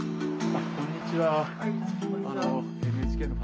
はいこんにちは。